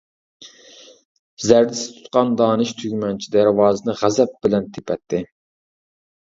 زەردىسى تۇتقان دانىش تۈگمەنچى دەرۋازىنى غەزەپ بىلەن تېپەتتى.